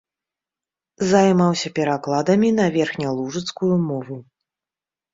Займаўся перакладамі на верхнялужыцкую мову.